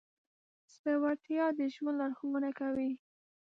زړهورتیا د ژوند لارښوونه کوي.